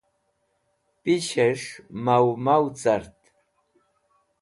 Pishẽs̃h maw maw cart.